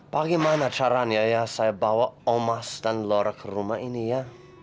bagaimana caranya ya saya bawa omas dan lora ke rumah ini ya